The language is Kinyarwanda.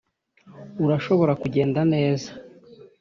urashobora kugenda neza